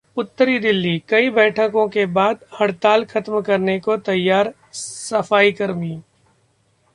उत्तरी दिल्ली: कई बैठकों के बाद हड़ताल खत्म करने को तैयार सफाईकर्मी